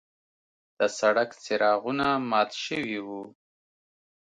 د سړک څراغونه مات شوي وو.